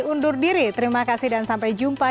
undur diri terima kasih dan sampai jumpa